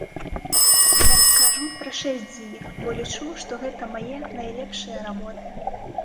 Я раскажу пра шэсць з іх, бо лічу, што гэта мае найлепшыя работы.